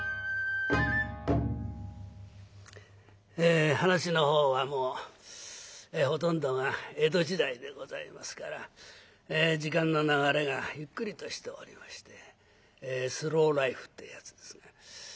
え噺の方はもうほとんどが江戸時代でございますから時間の流れがゆっくりとしておりましてスローライフっていうやつですが。